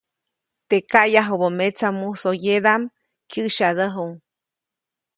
Teʼ kaʼyajubä metsa musoyedaʼm, kyäʼsyadäju.